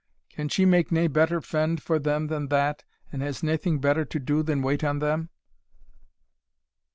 Can she make nae better fend for them than that, and has naething better to do than wait on them?"